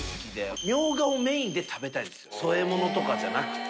添え物とかじゃなくて。